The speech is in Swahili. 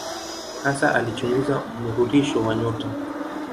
Hasa alichunguza mnururisho wa nyota.